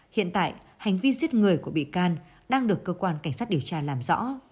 hiện tại hành vi giết người của bị can đang được cơ quan cảnh sát điều tra làm rõ